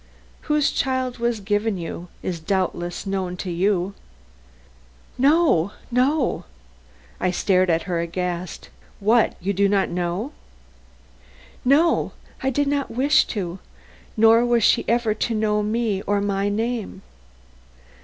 Whose child was given you, is doubtless known to you " "No, no." I stared, aghast. "What! You do not know?" "No, I did not wish to. Nor was she ever to know me or my name."